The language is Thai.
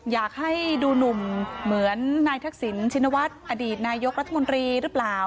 อยากให้ดูหนุ่มเหมือนนายทักษิณชินวัฒน์อดีตนายกรัฐมนตรีหรือเปล่า